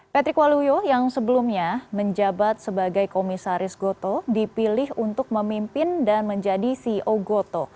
patrick waluyo yang sebelumnya menjabat sebagai komisaris goto dipilih untuk memimpin dan menjadi ceo goto